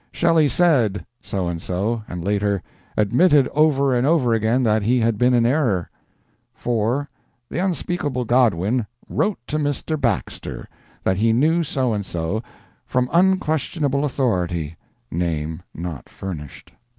"Shelley said" so and so and later "admitted over and over again that he had been in error." 4. The unspeakable Godwin "wrote to Mr. Baxter" that he knew so and so "from unquestionable authority" name not furnished.